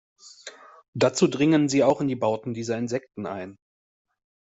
Dazu dringen sie auch in die Bauten dieser Insekten ein.